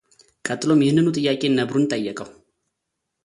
ቀጥሎም ይህንኑ ጥያቄ ነብሩን ጠየቀው፡፡